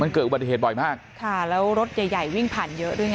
เกิดอุบัติเหตุบ่อยมากค่ะแล้วรถใหญ่ใหญ่วิ่งผ่านเยอะด้วยไง